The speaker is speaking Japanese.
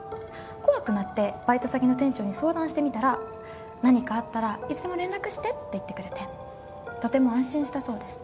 恐くなってバイト先の店長に相談してみたら「何かあったらいつでも連絡して」って言ってくれてとても安心したそうです。